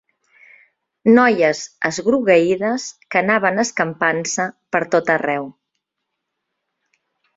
Noies esgrogueïdes que anaven escampant-se per tot arreu.